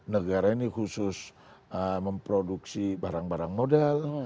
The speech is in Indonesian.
negara ini khusus memproduksi barang barang modal